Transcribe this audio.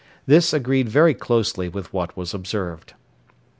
This agreed very closely with what was observed.